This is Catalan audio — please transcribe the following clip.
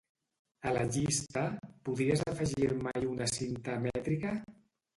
A la llista, podries afegir-me-hi una cinta mètrica?